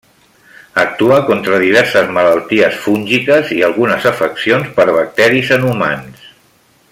Actua contra diverses malalties fúngiques i algunes afeccions per bacteris en humans.